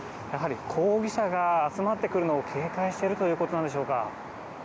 抗議者が集まってくるのを警戒しているということなのでしょうか。